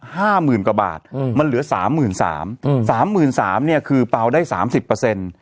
ห้าหมื่นกว่าบาทอืมมันเหลือสามหมื่นสามอืมสามหมื่นสามเนี้ยคือเปล่าได้สามสิบเปอร์เซ็นต์